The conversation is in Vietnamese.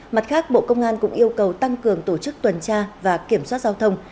mặt khác bộ công an cũng yêu cầu tăng cường tổ chức tuần tra và kiểm soát giao thông